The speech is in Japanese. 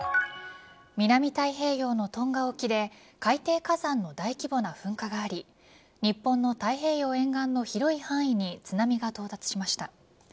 南太平洋のトンガ沖で海底火山の大規模な噴火があり日本の太平洋沿岸の広い範囲に津波が到達しました。